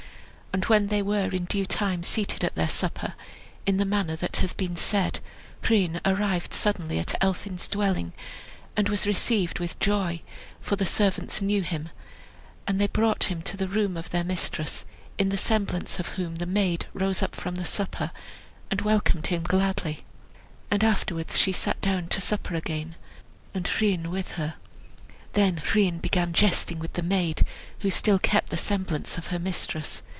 And when they were in due time seated at their supper, in the manner that has been said, Rhun suddenly arrived at Elphin's dwelling, and was received with joy, for the servants knew him; and they brought him to the room of their mistress, in the semblance of whom the maid rose up from supper and welcomed him gladly. And afterwards she sat down to supper again, and Rhun with her. Then Rhun began jesting with the maid, who still kept the semblance of her mistress.